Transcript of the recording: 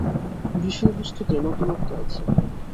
বিষয়বস্তুতে নতুনত্ব আছে।